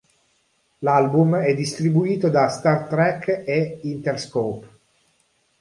L'album è distribuito da Star Trak e Interscope.